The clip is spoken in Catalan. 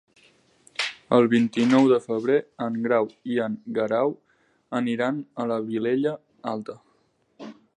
El vint-i-nou de febrer en Grau i en Guerau aniran a la Vilella Alta.